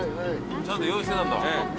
ちゃんと用意してたんだ。